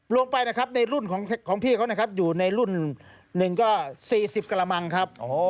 ลงไปนะครับในรุ่นของพี่เขานะครับอยู่ในรุ่น๑ก็๔๐กระมังครับ